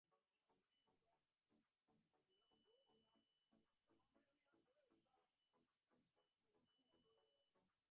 আশ্চর্যজনকভাবে চালক দুজন ধ্বংসস্তূপ থেকে মোটামুটি অক্ষত শরীরে বেরিয়ে আসতে পারলেন।